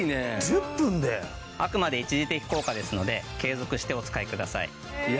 あくまで一時的効果ですので継続してお使いください。